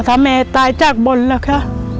ถ้าแม่ตายจากบอลล่ะคะ